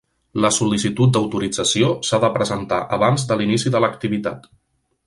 La sol·licitud d'autorització s'ha de presentar abans de l'inici de l'activitat.